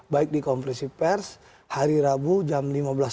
baik di konfirmasi pers hari rabu jam lima belas